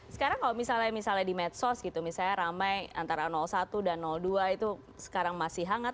sekarang kalau misalnya misalnya di medsos gitu misalnya ramai antara satu dan dua itu sekarang masih hangat